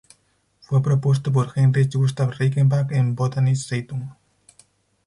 Fue propuesto por Heinrich Gustav Reichenbach en "Botanische Zeitung.